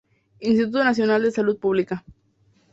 Instituto Nacional de Salud Pública.